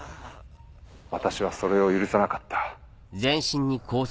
私はそれを許さなかった。